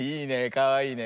かわいいね。